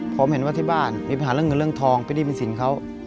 ผมเห็นว่าที่บ้านมีปัญหาเรื่องเงินเรื่องทองเป็นหนี้เป็นสินเขา